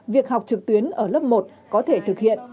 việc học trực tuyến ở lớp một có thể thực hiện